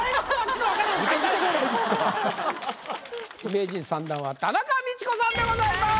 名人３段は田中道子さんでございます。